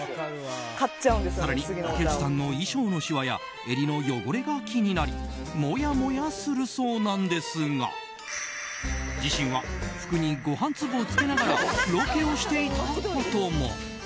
更に、竹内さんの衣装のしわやえりの汚れが気になりもやもやするそうなんですが自身は服にご飯粒をつけながらロケをしていたことも。